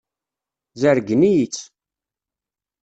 Zergen-iyi-tt.